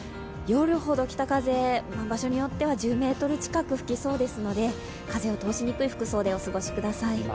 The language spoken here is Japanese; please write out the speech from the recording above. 夜ほど北風、場所によっては１０メートル近く吹きそうですので、風を通しにくい服装でお過ごしください。